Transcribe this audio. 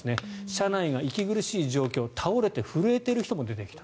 車内が息苦しい状況倒れて震えている人も出てきた。